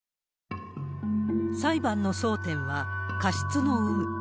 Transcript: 裁判の争点は過失の有無。